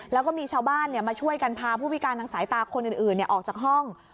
แล้วก็มีชาวบ้านมาช่วยกันพาผู้พิการทางสายตาคนอื่นออกจากห้อง